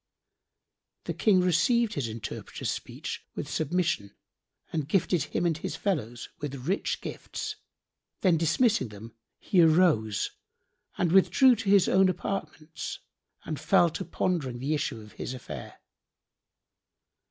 '" The King received the interpreter's speech with submission and gifted him and his fellows with rich gifts; then, dismissing them he arose and withdrew to his own apartments and fell to pondering the issue of his affair.